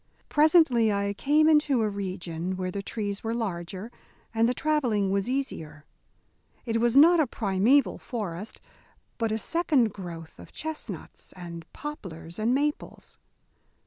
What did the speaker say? Presently I came into a region where the trees were larger and the travelling was easier. It was not a primeval forest, but a second growth of chestnuts and poplars and maples.